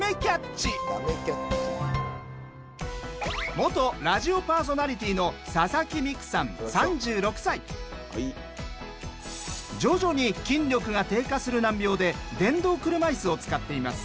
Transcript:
元ラジオパーソナリティーの徐々に筋力が低下する難病で電動車いすを使っています。